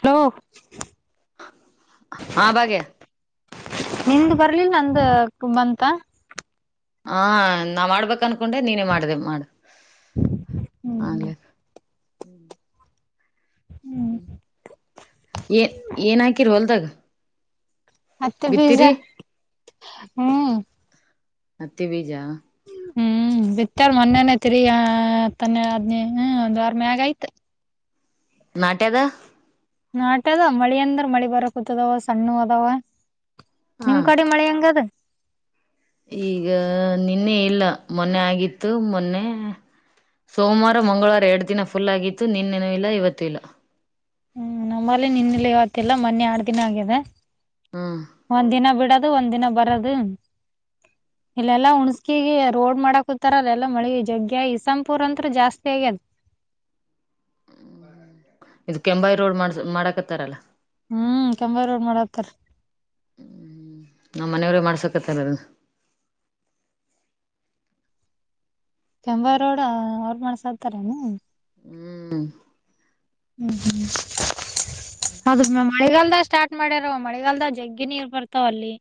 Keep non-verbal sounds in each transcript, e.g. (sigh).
Hello ಹಾ ಭಾಗ್ಯ ನಿ್ದ ಬರ್ಲಿಲ್ಲ ನಂದ ಬಂತ ಹಾ ನಾ ಮಾಡ್ಬೇಕ ಅನ್ಕೊಂಡೆ ನೀನೇ ಮಾಡ್ದ ಮಾಡ ಹ್ಮ್ ಆಲೆ ಹ್ಮ್ ಏ ಏನ್ ಹಾಕಿರ್ ಹೊಲ್ದಾಗ ಮತ್ತೆ ಪಿಸಾ ಬಿತ್ತಿರಿ ಹ್ಮ್ ಮತ್ತೆ ಬೀಜ ಹ್ಮ್ ಹ್ಮ ಬಿತ್ತಾರ ಮೊನ್ನನೆೇ ತಿರಿ ತನ್ನ ಆದದ್ನಿ ಹ್ಮ ಒಂದ್ ವಾರ ಮಗ ಆಯ್ತ ನಟ್ಯದ ನಾಟ ಅದ ಮಳಿ ಅಂದ್ರ ಮಳಿ ಬರಕೂತದಾವ ಸಣ್ಣ ಅದಾವ ಹ ನಿಮ್ ಕಡೆ ಮಳೆ ಹೆಂಗದ ಈಗ ನಿನ್ನೆ ಇಲ್ಲ ಮೊನ್ನೆ ಆಗಿತ್ತು ಮೊನ್ನೆ ಸೋಮವಾರ ಮಂಗಳವಾರ ಎರಡು ದಿನ ಫುಲ್ ಆಗಿತ್ತು ನಿನ್ನೇನ ಇಲ್ಲ ಇವತ್ತು ಇಲ್ಲ ಹ್ಮ್ ನಮ್ಮಲ್ಲಿ ನಿನ್ನಲಿವತಿಲ್ಲ ಮೊನ್ನೆ ಆರ್ ದಿನ ಆಗಿದೆ ಹ್ಮ್ ಒಂದ್ ದಿನ ಬಿಡ ಅದು ಒಂದ್ಿನ ಬರದು ಇಲ್ಲೆಲ್ಲಾ ಹುಣ್ಸ್ಕಿಗೆ ರೋಡ್ ಮಾಡಕ ಹತಾರ ಅಲ್ಲಲ್ಲಾ ಮಳ ಜಗ್ಗೆ ಸಂಪೂರ್ ಅಂ ಜಾಸ್ತಿ ಆಗ್ಯದ್ ಹ್ಮ ಇದು ಕೆಂಬಾಯಿ ರೋಡ್ ಮಾಡಸ ಮಾಡಕತ್ತಾರಲ್ಲ ಹ್ಮ್ ಕೆಂಬಾವಿ ರೋಡ್ ಮಾಡತ್ತಾರ ಹ್ಮ ನಮ್ಮ್ ಮನೆಯವ್ರೇ ಮಾಡ್ಸಕ್ ಕಥ ಕಂಬ ರೋಡ ಅವ್ರ ಮಾಡ್ಸತಾರ ಏನ. ಹ್ಮ್ ಹ್ಮ ಹ್ಮ ಹೌದು ಮ ಮಾಡಳಗಲ್ ಸ್ಟಾರ್ಟ್ ಮಾಡಿಾರ ಮಳೆಗಾಲದ ಜಗ್ಗಿ ನೀರ್ ಬರ್ತಾವ ಅಲ್ಲಿ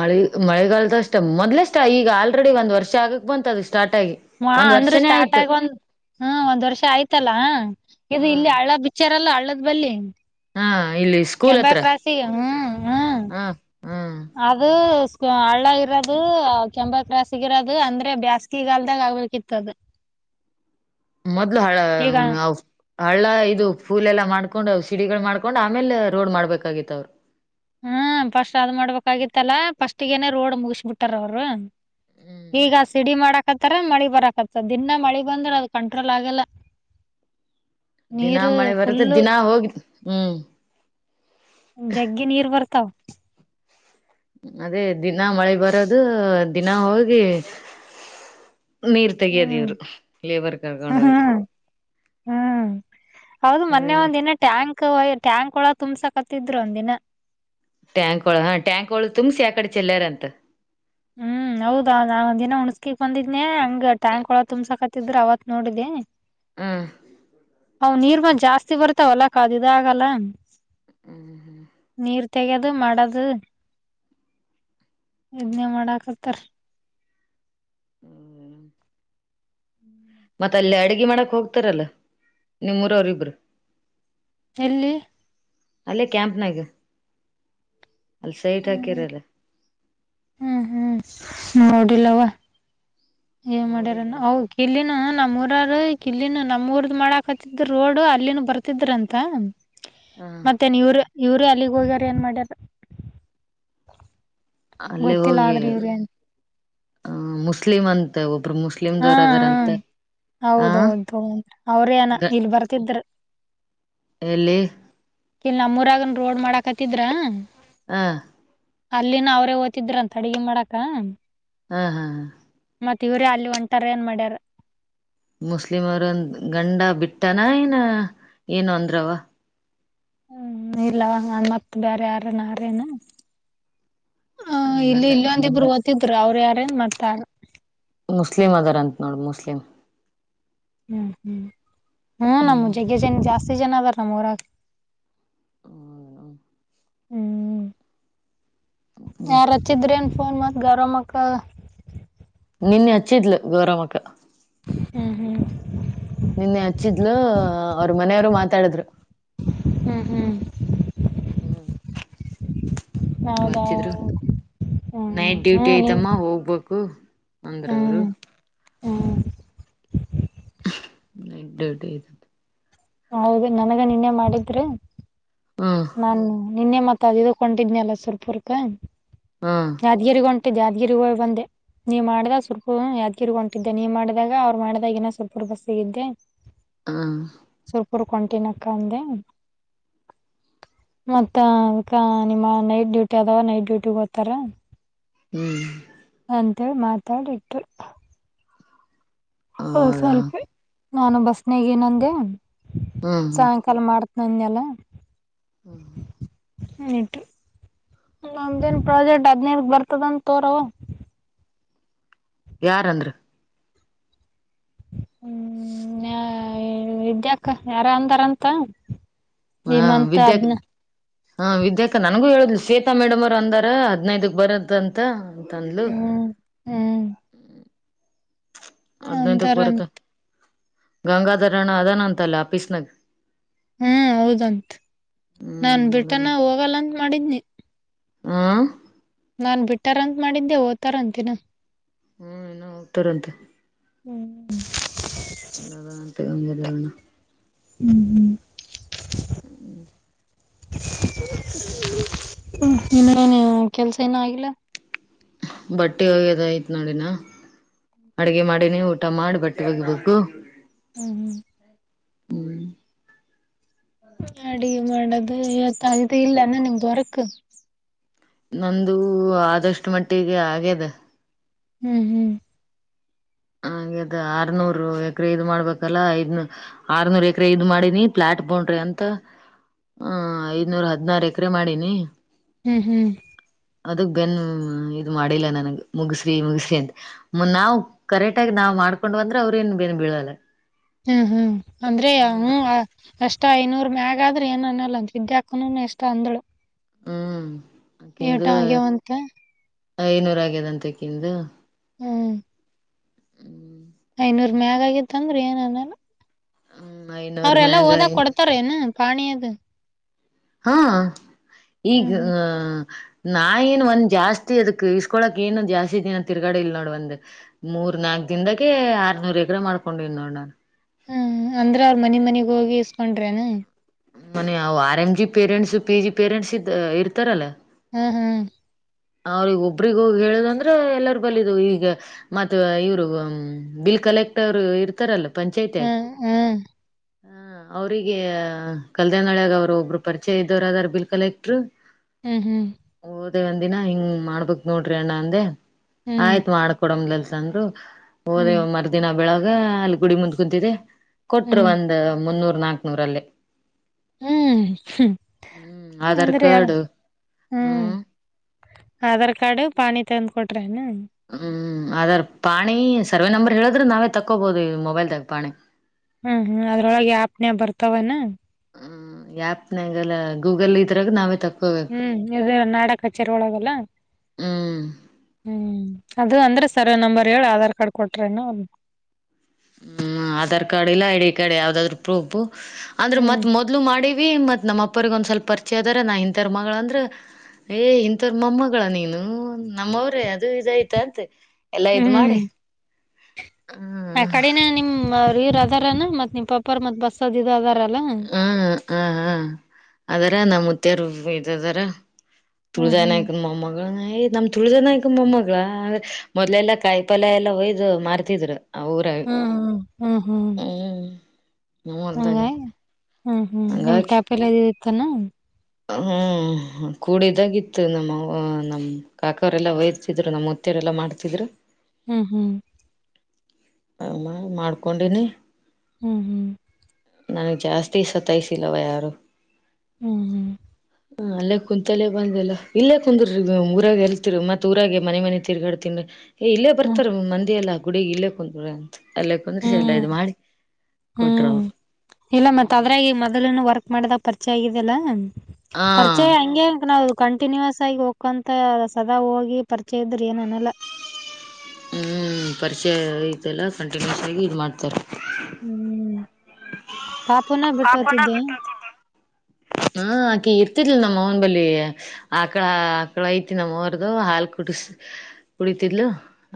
ಮಳೆ ಮಳೆಗಾಲದ ಅಷ್ಟೇ ಮೊದ್ಲಷ್ಟ ಈಗ ಆಲ್ರೆಡಿ ಒಂದ್ ವರ್ಷ ಆಗಕ್ ಬಂತ ಅದಷ್ಟ ಮಾ ಅಂದ್ರೆ ಸ್ಟಾರ್ಟ್ ಆಗ ಒಂದು್ ಹಾ ಒಂದ್ ವರ್ಷ ಆಯ್ತಲ್ಲಾ ಇದು ಹ್ಮ್ ಇಲ್ಲಿ ಹಳ್ಳದ ಬಿಚ್ಚಾರಲ್ಲ ಹಳ್ಳದ ಬಲ್ಲಿಿ ಹಾ ಇಲ್ಲಿ ಸ್ಕೂಲ್ ಕೆಂಬ ಹತ್ರ ಕ್ರಾಾಸಿ ಹ್ಮ್ ಹ್ಮ ಹ ಹ್ಮ್ ಅದು ಹಳ್ಳ ಇರೋದು ಕೆಂಬ ಕ್ಲಸ್ಗ ಇರೋದು ಅಂದ್ರೆ ಬ್ಯಾಸ್ಗಿಗಾಲ್ದಾಗ ಆಗ್ಬೇಕ ಿತ್ತದ ಮೊದ್ಲು ಹಳ ಹಳ್ಳ ಇದು ಫೂಲ್ ಎಲ್ಲ ಮಾಡ್ಕೊಂಡು ಸಿಡಿಗಳು ಮಾಡ್ಕೊಂಡ್ ಆಮೇಲೆ ರೋಡ್ ಮಾಡ್ಬೇಕಾಗಿತ್ತ ಅವರು ಹ್ಮ ಪಫಸ್ಟ್ ಅದ್ ಮಾಡ್ಬೇಕಾಗಿತ್ತಲ್ಲ ಫಸ್ಟ್ಗೇನೆೇ ರೋಡ್ ಮುಗಸ್ಬಿಟ್ಟಾರ ಅವ್ರು ಹ್ಮ್ ಈಗ ಸಿಡಿ ಮಾಡಾಕತ್ತಾರ ಮಳಿ ಬರಕತ್ತ ದಿನಾ ಮಳಿ ಬಂದ್ರೆ ಅದ ಕಂಟ್ರೋಲ್ ಆಗಲ್ಲ (inaudible) ದಿನಾ ನೀರು ಮಳೆ ಬರುತ್ತೆ ಫುಲ್ ದಿನಾ ಹೋಗಿ ಹ್ಮ್ ಜಗ್ಗಿ ನೀರ್ ಬರ್ತಾವ ಅದೇ ದಿನಾ ಮಳೆ ಬರೋದು ದಿನ ಹೋಗಿ ನೀರ್ ತೆಗಿಯೋದ ಹ್ಮ್ ಇವರು ಲೇಬರ್ ಕರ್ಕೊಂಡ ಹೋಗಿ ಹ್ಮ್ ಹ್ಮ್ ಹೌದು ಮೊನೆ ಅದೆಲ್ಲ ಒಂದ ದಿನ ಟ್ಯಾಂಕ್ ಟ್ಯಾಂಕ್ ಒಳ ತುಂಬ್ಸಕತ್ತಿದ್ರರು ಒಂದು ದಿನ ಟ್ಯಾಂಕ್ ಒಳ ಹಾ ಟ್ಯಾಂಕ್ ಒಳ ತುಂಬ್ಸಿ ಯಕಡೆ ಚೆಲ್ಲಯಾರ ಅಂತ ಹ್ಮ್ ಹೌದಾ ನಾ ಒಂದ ದಿನ ಹುಣಸ್ಕಿಕ್ ಬಂದಿದ್ನನೆ ಹಂಗ್ ಟ್ಯಾಂಕ್ ಒಳ ತುಂಬ್ಸಕತ್ತಿದ್ರ ಅವತ್ತ ನೋಡಿದೆ ಹ್ಮ್ ಅವ ನೀರ್ ಮಂದ ಜಾಸ್ತಿ ಬರ್ತಾವ ಹೊಲಕ್ಕ ಅದು ಇದ ಆಗಲ್ಲ ಹ್ಮ್ ನೀರು ತೆಗೆದು ಮಾಡದು ಇದ್ನೇ ಮಾಡಾಕತ್ತಾರ (inaudible) (inaudible) ಮತ್ತ ಅಲ್ಲಿೇ ಅಡಗೆ ಮಾಡಕ್ ಹೋಗ್ತಾರಲ್ಲ ನಿಮ್ಮೂರವ್ರಿಬ್ರು ಎಲ್ಲಿ ಅಲ್ಲೇ ಕ್ಯಾಂಪ್ನಾಗ ಅಲ್ಲಿ ಸೈಟ್ ಹ್ಮ್ ಹಾಕಿರಲ್ಲ ಹ್ಮ್ ಹ್ಮ್ ನೋಡಿಲ್ಲವ ಏ ಮಾಡ್ಯಾರ ನೋಡಿಲ್ಲನ ಅವ ಇಲ್ಲಿನು ನಮ್ಮ್ ಊರರು ಇಲ್ಲಿನ ನಮ್ಮೂಊರ್ದ ಮಾಡಾಕತ್ತಿದ ರೋಡ್ ಅಲ್ಲಿನ ಬರ್ತಿದ್ರಂತ ಹ ಮತ್ತೆ ನೀವ್ರ ಇವ್ರ ಅಲ್ಲಿಗ್ ಹೋಗ್ಯಾರ ಏನ್ ಮಾಡ್ಯಾರ ಅಲ್ಲಿೇ ಗೊತ್ತಿಲ್ಲ ಹೋಗಿ ಆದ್ರ ಇವ್ರ ಏನ್ ಅ ಮುಸ್ಲಿಮ ಅಂತೆ ಅಬ್ ಮುಸ್ಲಿಮದವರು ಅದಾರಂತೆ ಆ ಹೌದೌದು ಅವ್ರೇ ಅನ ಗ ಇಲ್ ಬರ್ತಿದ್ರ ಎಲ್ಲಿ ಇಲ್ಲಿ ನಮ್ಮೂರಗನ್ ರೋಡ್ ಮಾಡಾಕತ್ತಿದ್ರ ಹ ಅಲ್ಲಿನ ಅವ್ರೇ ಹೋತಿದ್ರು ಅಂತ ಅಡ್ಗೆ ಮಾಡಾಕ ಹ್ಮ್ ಹ್ಮ್ ಹ ಮತ್ತ ಇವ್ರೇ ಅಲ್ಲಿ ಒಂಟಾರ ಏನ್ ಮಾಡ್ಯಾರ ಮುಸ್ಲಿಮ ಅವ್ರಂದ ಗಂಡ ಬಿಟ್ಟನಾ ಏನ ಏನು ಅಂದ್ರವ ಹ್ಮ್ ಇಲ್ಲ ಮತ್ ಬೇರೆ ಯಾರನ ಯಾರೇನು ಹ ಗಂಡ ಇಲ್ಲಿ ಇಲ್ಲ ಹೋತಿದ್ರು ಅವರು ಯಾರನ್ ಮತಾರ ಮುಸ್ಲಿಮ್ ಅದಾರಂತ ನೋಡು ಮುಸ್ಲಿಂ ಹ್ಮ್ ಹ್ಮ್ ಹ್ಮ್ ನಮ್ಮ ಜಗ್ಜನ್ ಜಾಸ್ತಿ ಜನ ಅದಾರ ನಮ್ಮ ಊರಾಗ ಹ್ಮ್ ಹ್ಮ್ ಯಾರ್ ಹಾಚಿದ್ರೇನ್ ಫೋನ್ ಮತ್ ಗಾರಮಕ್ಕ ನಿನ್ನೆ ಹಚ್ಚಿದ್ಲು ಗೌರಮಕ್ಕ ಹಾ ಹಾ ನಿನ್ನೆ ಹಚ್ಚಿದ್ಲು ಅವ್ರ ಮನೆಯವರು ಮಾತಾಡಿದ್ರು ಹ್ಮ್ ಹ್ಮ್ ಹ್ಮ್ ಅವರು ಹೌದಾ ಹಚ್ಚಿದ್ರು ಹ್ಮ್ ನೈಟ್ ಡ್ಯೂಟಿ ಹ್ಮ್ ನೀನ್ ಐತಮ್ಮ ಹೋಗ್ಬೇಕು ಅಂದ್ರವರು ಹ್ಮ್ ಹ್ಮ್ ನೈಟ್ ಡ್ಯೂಟಿ ಇದೆ ಹೌದು ನನಗ ನಿನ್ನೆ ಮಾಡಿದ್ರೆ ಹ್ಮ ನಾನು ನಿನ್ನೆ ಮತ್ತ ಇದುಕ್ಕೆ ಹೊಂಟಿದಿದ್ನಲ್ಲ ಸುರಪುರ್ಕ ಹಾ ಯಾದ್ಗಿರಿಗ ಹೊಂಟಿದ್ದ್ ಯಾದ್ಗಿರಿ ಹೋಗಿ ಬಂದೆ ನೀವ್ ಮಾಡ್ದಾಗ ಸುರ್ಪು ಯಾದ್ಗಿರಿಗ ಹೊಂಟಿದ್ದೆ ನೀ ಮಾಡಿದಾಗ ಅವ್ ಮಾಡ್ದಾಗ ಇನ್ನ ಸುರ್ಪುರ ಬಸ್ಸಿಗಿದ್ದೆ ಹ ಕರ್ಕೊಂಡಟಿನಕ್ಕಂದೆ ಮತ್ತ ನಿಮ್ಮ ನೈಟ್ ಡ್ಯೂಟಿ ಅದವಾ ನೈಟ್ ಡ್ಯೂಟಿ ಓತಾರ ಹ್ಮ್ ಮಾತಾಡಿಟ್ಟು ಹ ಹೌದಾ ಸ್ವಲ್ಪ ನಾನು ಬಸ್ನಾಗ ಇನೊಂದೆ ಹ್ಮ್ ಸಾಯಂಕಾಲ ಮಾಡ್ತ ನನ್ ಮೇಲೆ ಹ್ಮ ಹ್ಮ ಹ ಇಟ್ರಿ ಒಮ್ದೇನ್ ಪ್ರಾಜೆಕ್ಟ್ ಹದ್ನೈರ್ ಬರ್ತದಂತ ತೋರಾವ ಯಾರಂದ್ರ ಹ್ಮ ಇದ್ಯಾಕ್ಕ ಯಾರ ಅಂದಾರಂತ ಈ ಹ ಮಂತ ವಿದ್ಯಾಕ್ ಅದ್ನ ಹಾ ವಿದ್ಯಾಕ ನನ್ಗೂ ಹೇಳುದ್ ಶತಾ ಮೇಡಮ್ ಅವರ್ ಅಂದಾರ ಹದ್ನೈದಕ್ ಬರದ ಅಂತ ತಂದಲು ಹ್ಮ್ ಹ್ಮ್ ಅದಿನೈಧಕ್ಕೆ ಪರತ ಅಂತಾರಂತ ಗಂಗಾಧರಣ್ಣ ಅದಾನ ಅಂತಲ್ಲ ಆಫೀಸ್ನಾಗ ಹ್ಮ್ ಹೌದಂತ ನಾನ್ ಹ್ಮ್ ಬಿಟನ ಹೋಗಲ್ಲಂತ ಮಾಡಿದನಿ ಹಾ ನಾನ್ ಬಿಟ್ಟಾರಂತ ಮಾಡಿದ್ದೆ ಓ್ತರ ಅಂತಿನ ಹ್ಮ್ ಇನ ಹೋಗ್ತಾರಂತೆ ಹ್ಮ್ ಎಲ್ಲದ ತಗದರಣ ಹ್ಮ್ ಹ್ಮ್ ಹ ಇನ್ನನು ಕೆಲ್ಸ ಏನು ಆಗಿಲ್ಲ ಬಟ್ಟೆ ಹೋಗ್ಯದಯ್ತ್ ನೋಡಿನ ಅಡಗೆ ಮಾಡಿ ನೀವು ಊಟ ಮಾಡಿ ಬಟ್ಟೆ ಒೋಗಿಬೇಕು ಹ್ಮ್ ಹ್ಮ್ ಅಡಿಗೆ ಮಾಡೋದು ಯವತಗಿದೆ ಇಲ್ಲಾನ ನಿಮ್ ಬರಕ್ ನಂದು ಆದಷ್ಟು ಮಟ್ಟಿಗೆ ಆಗ್ಯದ ಹ್ಮ್ ಹ್ಮ್ (inaudible) ಆರ್ನೂರು ಎಕರೆ ಇದ್ ಮಾಡ್ಬೇಕಲ್ಲಾ ಐದನ ಆರ್ನೂರ್ ಎಕರೆ ಇದ್ ಮಾಡಿನಿ ಫ್ಲಾಟ್ ಬೊಂಡ್ರಿ ಅ ಅಂತ ಹ ಐದನೂರ ಹದ್ನಾರು ಎಕರೆ ಮಾಡೀನಿ ಹ್ಮ್ ಹ್ಮ್ ಅದಕ್ ಬೆನ್ ಇದ ಮಾಡಿಲ್ಲ ನನಗ್ ಮುಗಸ್ರಿ ಮುಗಸ್ರಿ ಅಂತ ನಾವು ಕರೆಕ್ಟ್ಗ ನಾವವು ಮಾಡ್ಕೊಂಡು ಬಂದ್ರ ಅವ್ರೇಏನ್ ಬೇನ್ ಬೀಳಲ್ಲ ಹ್ಮ್ ಹ್ಮ್ ಅಂದ್ರೆ ಹ್ಮ್ ಅಷ್ಟ ಐನೂರು ಮ್ಯಾಗ ಆದ್ರೆ ಏನ್ ಅನಲ್ಲ ಅಂತ ವಿದ್ಯಾಕ ಇಷ್ಟ ಅಂದಳು ಹ್ಮ್ ಏಟ ಅಕಿಂದು ಆಗ್ಯವಂತೆ ಐನೂರ ಆಗ್ಯದ ಅಂತ ಕಿಂದು ಹ್ಮ್ ಹ್ಮ್ ಐನೂರ್ ಮ್ಯಾಗ ಆಗಿತ್ತ ಅಂದ್ರರು ಏನನಾರ ಹ್ಮ್ ಐನೂರ್ ಅವ್ರೆಲ್ಲಾ ಓದಕ್ ಮ್ಯಾಗ ಕೊಡ್ತಾರ ಏನು ಪಾಣಿಯದ ಹಾ ಈಗ ಹ್ಮ್ ಹ್ಮ್ ಆ ನಾ ಏನ್ ಒಂದ್ ಜಾಸ್ತಿ ಅದಕ್ ಇಸ್ಕೊಳಕ್ ಏನು ಜಾಸ್ತಿ ಇದ ತಿರುಗಡೆ ಇಲ್ ನೋಡ್ ಒಂದ್ ಮೂರ್ ನಾಕ ದದಾಗೆ ಆರ್ನೂರ್ ಎಕರಾ ಮಾಡ್ಕೊಂಡಿದಿ ನೋಡ್ ನಾನು ಹ ಅಂದ್ರ ಅವರು ಮನ ಮನಿಗ್ ಹೋಗಿ ಇಸ್ಕೊಂಡ್ರೇನಾ ಮನ ಅವ R M G parents P G parents ಇದ ಇರ್ತಾರಲ್ಲಾ ಹ್ಮ್ ಹ್ಮ್ ಅವ್ರಗ ಒಬ್ರಿಗ ಹೋಗಿ ಹೇಳುದಂದ್ರ ಎಲ್ಲಾರ ಬಲಿದ ಈಗ ಮತ್ತ ಇವರು ಬಿ ಕಲೆಕ್ಟರ್ ಅವರು ಇರ್ತಾರಲ್ಲ ಪಂಚಾಯತ್ ಆಗ ಹ್ಮ್ ಹ ಅವ್ರಿಗೆ ಕಲ್ದನಳಾಗ ಅವರು ಒಬ್ಬರು ಪರಿಚಯ ಇದ್ದವರುದಾರ ಬಿಲ್ ಕಲೆಕ್ಟ್ರು ಹ್ಮ್ ಹ್ಮ್ ಒಂದ ದಿನಾ ಹಿಂಗ್ ಮಾಡ್ಬಕ್ ನೋಡ್ರಿ ಅಣ್ಣ ಅಂದೆ ಹ್ಮ್ ಹ್ಮ್ ಆಯ್ತ್ ಮಾಡ್ಕೊಡಮಲ್ಸ ಅಂದ್ರು ಹೋದೆ ಹ್ಮ್ ಮರ್ದಿನ ಬೆಳಗ್ ಅಲ್ಲಿ ಗುಡಿ ಮುಂದ್ ಕುಂತಿದೆ ಕೊಟ್ರು ಹ್ಮ್ ಒಂದ್ ಮುನ್ನೂರು ನಾಲ್ಕುನೂರಲ್ಲೇ ಹ್ಮ್ ಆಧಾರ್ ಅಂದ್ರೆ ಕಾರ್ಡ್ ಹ್ಮ್ ಆಧಾರ್ ಕಾರ್ಡ್ ಪಾನಿ ತಂದ್ ಕೊಟ್ರೆನ್ ಹ್ಮ್ ಅದರ್ ಪಾಣಿ ಸರ್ವೆ ನಂಬರ್ ಹೇಳಿದ್ರೆ ನಾವೇ ತಕ್ಕೋಬಹದು ಈ ಮೊಬೈಲ್ದಾಗ ಪಾಣಿ ಹ್ಮ್ ಹ್ಮ್ ಅದ್ರೊಳಗೆ ಆಪ್ನ ಬರ್ತವನಾ ಹ್ಮ್ ಆಪ್ನಾಗಲ್ಲ ಗೂಗಲ್ ಇದ್ರಾಗ ನಾವೇ ತ ಹ್ಮ್ ಇದು ನಾಡ ಕಚೇರಿ ಒಳಗಲ್ಲ ಹ್ಮ್ ಹ್ಮ್ ಅದು ಅಂದ್ರೆ ಸರ್ವ ನಂಬರ್ ಹೇಳ ಆಧಾರ್ ಕಾರ್ಡ್ ಕೊಟ್ರೇನ ಹ್ಮ್ ಆಧಾರ್ ಕಾರ್ಡ್ ಇಲ್ಲ ಐ ಡಿ ಕಾರ್ಡ್ ಯಾವ್ದಾದ್ರು ಪ್ರೂಫು ಅಂದ್ರೆ ಹ್ಮ್ ಮತ್ ಮೊದ್ಲು ಮಾಡಿ ಮತ್ತು ನಮ್ಮ ಅಪ್ಪ್ರಗೊಂದ್ ಸ್ವಲ್ ಪರಿಚಿ ಆದರೆ ನಾ ಇಂಥರ ಮಗಳಗಳುಂದರೆ ಏ ಇಥವರ್ ಮಮ್ಮಗಳ ನೀನು ನಮ್ಮವ್ರೇ ಇದು ಇದಯ್ತ ಅಂತೆ ಎಲ್ಲಾ ಇದ್ ಮಾಡಿ ಹ ಹ್ಮ್ ಕಡೆನೆ ನಿಮ್ಮ ಇರ್ ಅದಾರ ಮತ್ ನಿಮ್ ಪಪ್ಪಾರ ಮತ್ ಬಸ್ಸದ ಅದಾರ ಹ್ಮ ಹ ಹಾ ಅದಾರ ನುತ್ತಿಯಾರ ಇದದಾರ ಹ್ಮ್ ತುಳಿನ ಹ್ಮ್ ಆಯತ್ ಮ ಮಗಳನ ನಮ್ ತುಳಿದನ ಆಯತು ಮೊಮ್ಮಗಳ ಮೊದ್ಲೆಲ್ಲ ಕಾಯಿ ಪಲ್ಯ ಎಲ್ಲ ಒಯ್ದು ಮಾರ್ತಿದ್ರು ಅವರಾಗಿ ಹ್ಮ್ ಹ್ಮ್ ಹ್ಮ್ ಹ್ಮ್ ನರ್ದಾಗಿಲ್ಲ ಹಂಗಾಗಿ ಹ್ಮ್ ಹ್ಮ್ ನಿಮ್ ತಾಪ ಎಲ್ಲ ಇದತ್ತಾನ ಹ್ಮ್ ಕೂಡಿದಾಗಿತ್ತು ನಮ್ಮ ನಮ್ಮ್ ಕಾಕಾವರೆೆಲ್ಲಾ ವಯರ್ತಿದ್ರು ನಮ್ಮ ಲ್ಲ ಮಾಡ್ತಿದ್ರರು ಹ್ಮ್ ಹ್ಮ್ ಹ ಮಾಡ್ಕೊಂಡಿನಿ ಹ್ಮ್ ಹ್ಮ್ ನನಗೆ ಜಾಸ್ತಿ ಸತಾಯಸಿಲ್ಲವ ಯಾರು ಹ್ಮ್ ಹ್ಮ್ ಹ ಅಲ್ಲೇ ಕುಂತಲ್ಲೇ ಬಂದಲ್ಲ ಇಲ್ಲೇ ಕುಂದ್ರಿ ಊರಾಗ ಎಲ್ತಿರಿ ಮತ್ಊರಾಗ ಮನೆ ಮನೆ ತಿರ್ಗಾಡ್ತನ್ ಏ ಇಲ್ಲೇ ಹ್ಮ್ ಬರ್ತಾರೆ ಮಂದಿಯೆಲ್ಲ ಗುಡಿಗೆ ಇಲ್ಲೇ ಕುಂದ ಅಲ್ಲ ಕುಂದ್ರಸ ಎಲ್ಲ ಹ್ಮ್ ಇದು ಮಾಡಿ ಕೊಟ್ರು ಹ್ಮ್ ಅವ್ರು ಹ್ಮ್ ಮಾಡಿದಾಗ ಪರಿಚಯ ಆಗಿದೆಲ್ಲ ಹ ಪರಿಚಯ ಹಂಗೆ ಅಂತ ನಾವವು ಕಂಟಿನ್ಯೂಯಸ್ ಆಗಿ ಹೋಗಕಂತ ಸದಾ ಹೋಗಿ ಪರಿಚಯ ಇದ್ರಿ ಏನನಲ್ಲ ಹ ಪರಿಚಯ ಐತೆಲ್ಲ ಕಂಟಿನ್ಯೂಸ್ ಆಗಿ ಇದು ಮಾಡ್ತಾರೆ ಹ್ಮ್ ಪಾಪುನ ಬಿಟ್ಟೋತಿದ್ದೆ ಹಾ ಕೀರ್ತಿ ನಮ್ಮ ಅವನ ಬಳ ಆಕಳ ಆಕಳ ಐತಿ ನಮ್ಮವರದು ಹಾಲ್ ಕುಡ ಕುಡ ದ್ಲು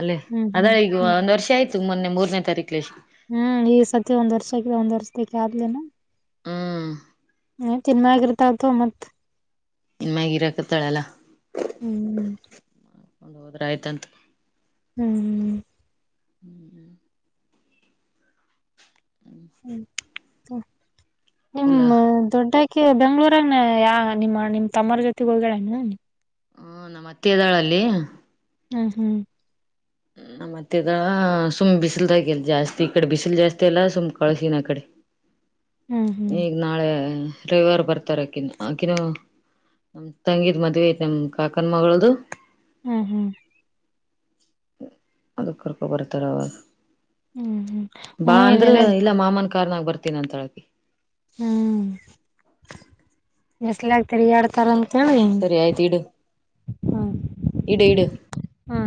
ಅಲ್ಲೇ ಹ್ಮ್ ಹ್ಮ್ ಅದ್ರೆ ಈಗ ಹ್ಮ್ ಒಂದ್ ವರ್ಷ ಆಯ್ತು ಮೊನ್ನೆ ಮೂರನೇ ತಾರೀಕಲೆ ಎಷ್ಟು ಹ್ಮ್ ಈ ಸತಿ ಒಂದ್ ವರ್ಷಕ್ಕ ಒಂದ್ ವರ್ಷದಕ್ಕೆ ಆದ್ಲೇನಾ ಹ ಹ ಚೆನ್ನಾಗಿರ್ತಾವತ್ತು ಮತ್ತ ನಿನ್ಮಾಗಿ ಇರಾಕತ್ತಾಳಲ್ಲಾ ಹ್ಮ್ ಹ್ಮ್ ಅಕೊಂಡು ಹೋದ್ರೆ ಆಯ್ತಂತ ಹ್ಮ್ ಹ್ಮ್ ಹ್ಮ್ ಎಲ್ಲ ನಿಮ್ಮ ದೊಡ್ಡ ಅ ಬೆಂಗ್ಳೂರನ ಯ ನಿಮ್ಮ ನಿಮ್ ತಮ್ಮರ ಜೊತೆಗ್ ಹೋಗಡಣ ಹ್ಮ ನಮ್ಮತ್ತೆ ಇದದಾಳಲ್ಲಿ ಹ್ಮ್ ಹ್ಮ್ ಮತ್ತೆದ ಸುಮ್ಮ್ ಬಿಸಿಲ್ದಾಗಲ್ಲ ಜಾಸ್ತಿ ಈ ಕಡೆ ಬಿಸಿಲು ಜಾಸ್ತಿ ಅಲ್ಲ ಸುಮ್ಮ್ ಕಳಸಿನ ಅ ಕಡೆ ಹ (unintelligible) ಈಗ್ ನಾಳೆ ರವಿವಾರ ಬರ್ತಾರ ಅಕನ್ ಆಕಿನ ನಮ ತಂಗಿದ್ ಮದ್ವೆ ನಮ್ ಕಾಕನ್ ಮಗಳ್ದ ಹ್ಮ್ ಹ್ಮ್ ಅದುಕ್ಕರ್ಕ ಕೊತರಾವ ಹ್ಮ್ ಬಾ ಹ್ಮ್ ಅಂದ್ರ ಇಲ್ಲೆಲ್ಲ ಇಲ್ಲ ಮಾಮನ್ ಕಾರ್ನಾಗ ಬರ್ತೀನಿ ಅಂತ ಹೇಳತಿ ಹ್ಮ್ ಮೆಸ್ಲ್ ಆಗ್ತರಿ ಎಡ್ತಾರಂದ (unintelligible) ಚ ಸರಿ ಆಯ್ತು ಇಡು ಹ್ಮ ಇಡು ಇಡು. (unintelligible)